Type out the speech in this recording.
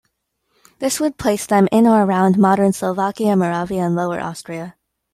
This would place them in or around modern Slovakia, Moravia and Lower Austria.